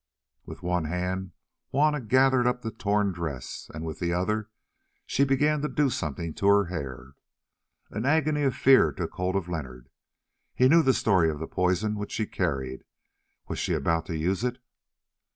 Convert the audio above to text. With one hand Juanna gathered up the torn dress, and with the other she began to do something to her hair. An agony of fear took hold of Leonard. He knew the story of the poison which she carried: was she about to use it?